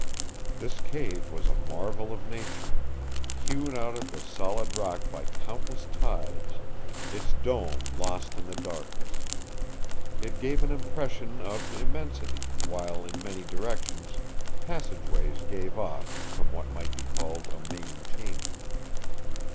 This cave was a marvel of nature, hewn out of the solid rock by countless tides, its dome lost in the darkness. It gave an impression of immensity, while in many directions passageways gave off from what might be called a main chamber.